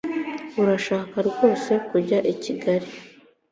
Urashaka rwose kujya i Kigali?